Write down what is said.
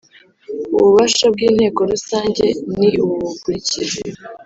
ububasha bw inteko rusange ni ubu bukurikira